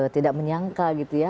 tidak menyangka gitu ya